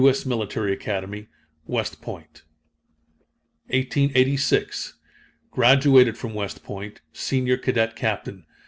S. Military Academy, West Point. 1886. Graduated from West Point, senior cadet captain.